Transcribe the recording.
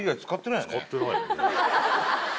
使ってないよね。